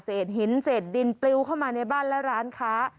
หินเศษดินปลิวเข้ามาในบ้านและร้านค้า